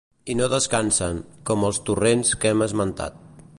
I no descansen, com els torrents que hem esmentat.